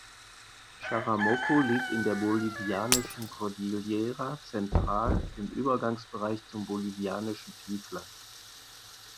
Charamoco liegt in der bolivianischen Cordillera Central im Übergangsbereich zum bolivianischen Tiefland.